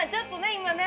今ね